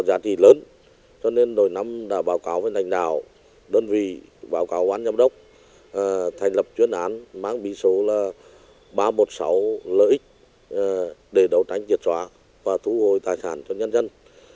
đối tượng đã báo cáo với đành đạo đơn vị báo cáo quán giám đốc thành lập chuyên án mang bí số ba trăm một mươi sáu lợi ích để đấu tranh diệt xóa và thu hồi tài sản cho nhân dân